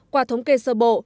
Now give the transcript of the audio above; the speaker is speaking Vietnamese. qua thống kê sơ bộ